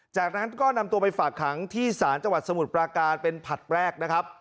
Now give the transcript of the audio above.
จากนั้นก็นำตัวไปฝากขังที่สารจสมุทรประการเป็นผัดแรก